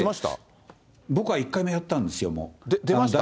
僕は１回目やったんですよ、出ました？